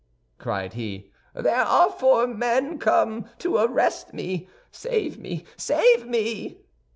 cried he. "There are four men come to arrest me. Save me! Save me!"